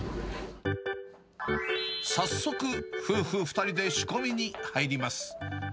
早速、夫婦２人で仕込みに入ります。